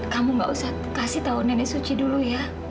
kamu nggak usah kasih tahu nenek suci dulu ya